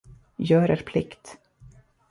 Gör er plikt.